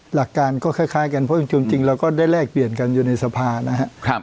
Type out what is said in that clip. หลักการก็คล้ายกันเพราะจริงเราก็ได้แลกเปลี่ยนกันอยู่ในสภานะครับ